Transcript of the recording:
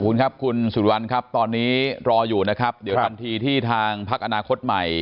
ครับคุณสุวรรณครับตอนนี้รออยู่นะครับเดี๋ยวทันทีที่ทางพักอนาคตใหม่